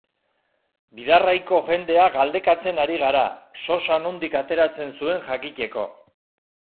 Bidarraiko jendea galdekatzen ari gara, sosa nondik ateratzen zuen jakiteko.